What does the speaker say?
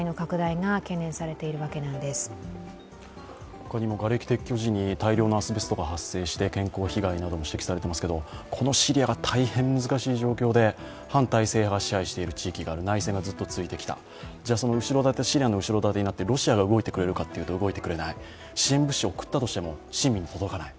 他にもがれき撤去時に大量のアスベストが発生して健康被害なども指摘されていますけど、このシリアが大変難しい状況で、反体制派勢力が支配している、内戦がずっと続いてきた、支援の後ろ盾になっているロシアが動いてくれるかというと、動いてくれない、支援物資を送っても届かない。